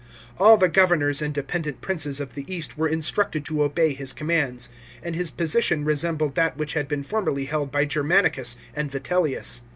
All the governors and dependent princes of the East were instructed to obey his commands, and his position resembled that which had been formerly held by Ger manicus and Vitellius.